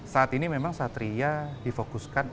saat ini memang satria difokuskan